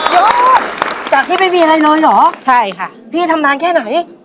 ยอดจากที่ไม่มีอะไรน้อยหรอพี่ทำนานแค่ไหนใช่ค่ะ